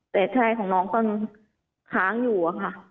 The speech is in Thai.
แต่ใช่ของน้องก็ยังค้างอยู่อะค่ะ